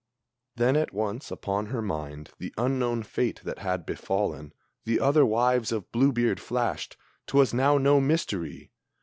Then, at once, upon her mind the unknown fate that had befallen The other wives of Blue beard flashed 'twas now no mystery!